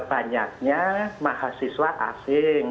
banyaknya mahasiswa asing